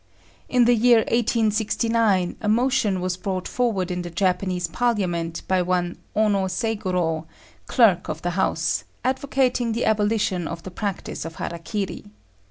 In the year 1869 a motion was brought forward in the Japanese parliament by one Ono Seigorô, clerk of the house, advocating the abolition of the practice of hara kiri.